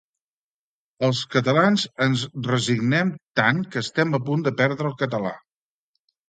Els catalans ens resignem tant que estem a punt de perdre el català